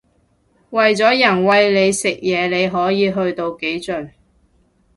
為咗人餵你食嘢你可以去到幾盡